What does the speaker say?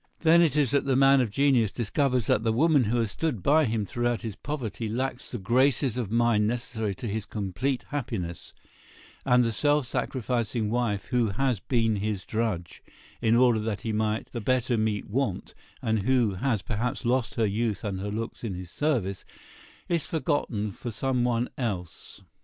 Then it is that the man of genius discovers that the woman who has stood by him through his poverty lacks the graces of mind necessary to his complete happiness, and the self sacrificing wife who has been his drudge, in order that he might the better meet want, and who has perhaps lost her youth and her looks in his service, is forgotten for some one else.